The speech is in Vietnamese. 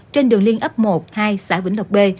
trên đường liên ấp một hai xã vĩnh lộc b